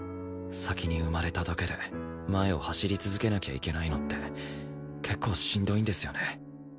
先に生まれただけで前を走り続けなきゃいけないなんて結構しんどいんですよね。